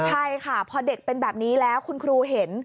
ใช่ค่ะพอเด็กเป็นแบบนี้แล้วคุณครูเห็น